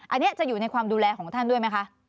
อันนี้จะอยู่ในความดูแลของท่านด้วยไหมคะ